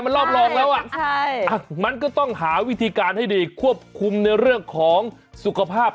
มันรอบรองแล้วมันก็ต้องหาวิธีการให้ดีควบคุมในเรื่องของสุขภาพ